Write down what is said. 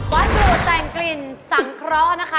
อยู่แต่งกลิ่นสังเคราะห์นะคะ